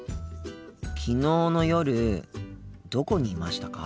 昨日の夜どこにいましたか？